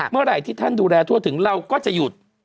เมื่อไหร่ที่ท่านดูแลทั่วถึงเราก็จะหยุด